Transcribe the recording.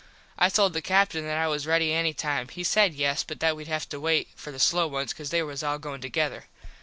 I told the Captin that I was ready any time. He said yes, but that wed have to wait for the slow ones cause they was all goin together.